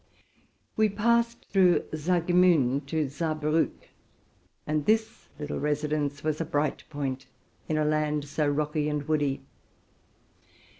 We passed through Saargemund to Saarbriick, and this little residence was a bright point in a land so rocky and woody.